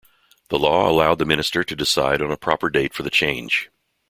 The law allowed the minister to decide on a proper date for the change.